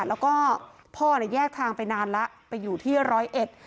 แล้วก็พ่อเนี่ยแยกทางไปนานแล้วไปอยู่ที่ร้อยเอ็ด